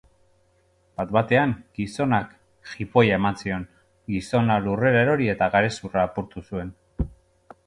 Bat-batean gizonak jipoia eman zion, gizona lurrera erori eta garezurra apurtu zuen.